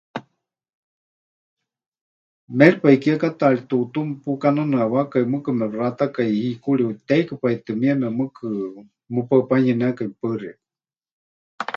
Méripai kiekátaari tuutú mepukanɨnɨawákai, mɨɨkɨ mepɨxatakai hikuri huteikɨ pai tɨ mieme, mɨɨkɨ mɨpaɨ panuyɨnekai. Paɨ xeikɨ́a.